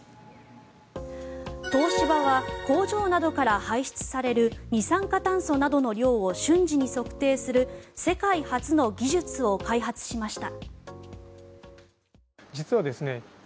東芝は工場などから排出される二酸化炭素などの量を瞬時に測定する世界初の技術を開発しました。